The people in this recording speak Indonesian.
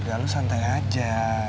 udah lu santai aja